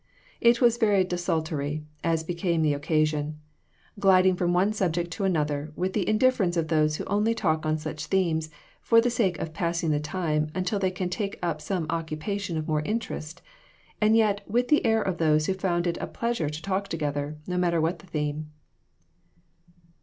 It was very desultory, as became the occasion; gliding from one subject to another with the indifference of those who only talk on such themes for the sake of passing the time until they can take up some occupation of more interest, and yet with the air of those who found it a pleasure to talk together, no matter what the theme.